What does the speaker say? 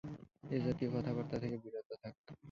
এ জাতীয় কথাবার্তা থেকে বিরত থাক।